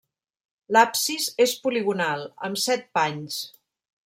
L'absis és poligonal, amb set panys.